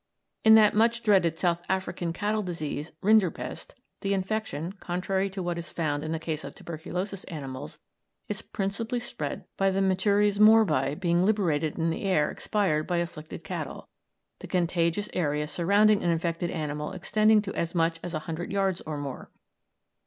In that much dreaded South African cattle disease, rinderpest, the infection, contrary to what is found in the case of tuberculous animals, is principally spread by the materies morbi being liberated in the air expired by afflicted cattle, the contagious area surrounding an infected animal extending to as much as a hundred yards and more.